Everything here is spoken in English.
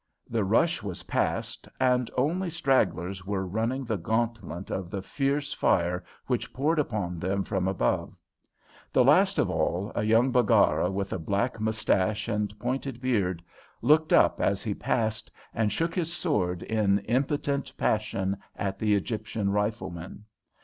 The rush was past, and only stragglers were running the gauntlet of the fierce fire which poured upon them from above. The last of all, a young Baggara with a black moustache and pointed beard, looked up as he passed and shook his sword in impotent passion at the Egyptian riflemen.